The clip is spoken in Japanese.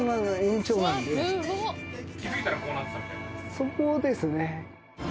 そうですね。